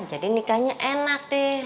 jadi nikahnya enak deh